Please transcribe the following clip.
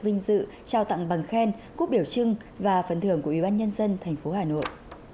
vinh dự trao tặng bằng khen cúp biểu trưng và phần thưởng của ủy ban nhân dân thành phố hà nội